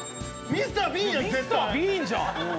Ｍｒ．ビーンじゃん。